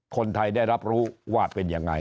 คนไทยได้รับรู้ว่าเป็นยังไง